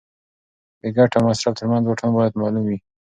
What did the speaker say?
د ګټې او مصرف ترمنځ واټن باید معلوم وي.